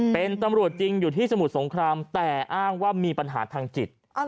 เป็นตำรวจจริงอยู่ที่สมุทรสงครามแต่อ้างว่ามีปัญหาทางจิต